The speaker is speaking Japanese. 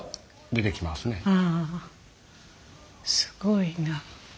すごいな。